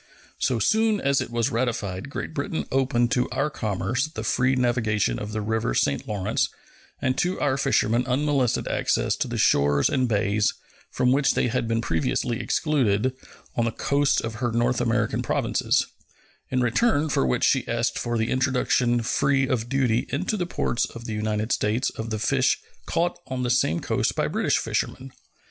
So soon as it was ratified Great Britain opened to our commerce the free navigation of the river St. Lawrence and to our fishermen unmolested access to the shores and bays, from which they had been previously excluded, on the coasts of her North American Provinces; in return for which she asked for the introduction free of duty into the ports of the United States of the fish caught on the same coast by British fishermen.